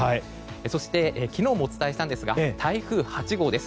そして、昨日もお伝えしたんですが台風８号です。